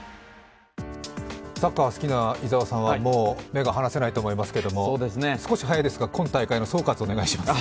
サッカー好きな伊沢さんはもう目が離せないと思いますが、少し早いですが、今大会の総括をお願いします。